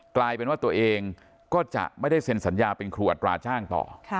กลายเป็นว่าตัวเองก็จะไม่ได้เซ็นสัญญาเป็นครูอัตราจ้างต่อ